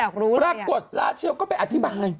ปรากฏราชเชลก็ไปอธิบาย